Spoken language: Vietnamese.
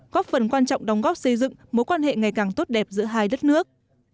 góp phần quan trọng đóng góp xây dựng mối quan hệ ngày càng tốt đẹp giữa hai đất nước